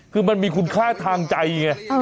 คือมันมีคุณค่าทางใจไง